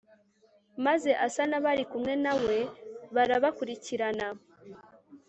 Maze Asa n abari kumwe na we barabakurikirana